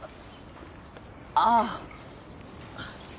ああ。